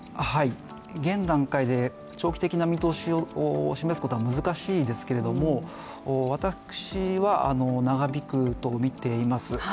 現段階で長期的な見通しを示すことは難しいですけれども私は、長引くと見ています。